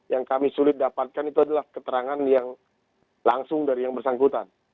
yang kami sulit dapatkan itu adalah keterangan yang langsung dari yang bersangkutan